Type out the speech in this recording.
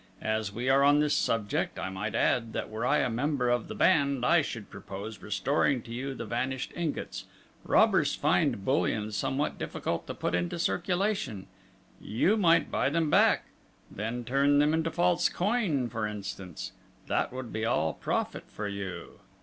As we are on this subject, I might add that were I a member of the Band I should propose restoring to you the vanished ingots robbers find bullion somewhat difficult to put into circulation: you might buy them back; then turn them into false coin, for instance that would be all profit for you!..."